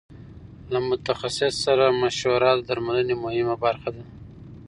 له متخصص سره مشوره د درملنې مهمه برخه ده.